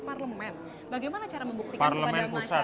parlemen bagaimana cara membuktikan